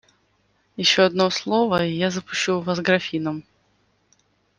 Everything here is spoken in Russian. Еще одно слово - и я запущу в Вас графином.